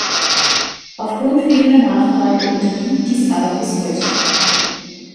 Aufgrund fehlender Nachfrage unterblieb dies aber bis heute.